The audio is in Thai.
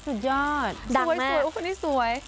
สุดยอดดังมากสวยคนนี้สวย